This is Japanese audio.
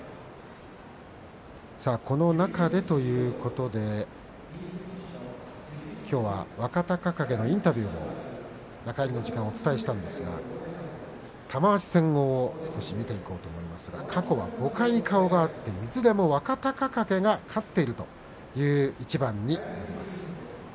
この中でということできょうは若隆景のインタビューも中入りの時間お伝えしたんですが玉鷲戦を少し見ていこうと思いますが過去は５回顔があっていずれも若隆景が勝っているという一番になります。